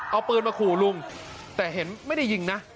เอาปืนมาขู่ลุงแต่เห็นไม่ได้ยิงนะ